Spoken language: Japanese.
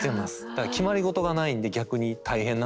だから決まりごとがないんで逆に大変なんですよね。